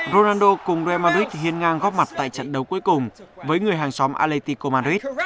ronaldo cùng real madrid hiên ngang góp mặt tại trận đấu cuối cùng với người hàng xóm atletico madrid